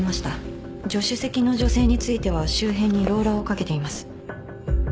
助手席の女性については周辺にローラーをかけています。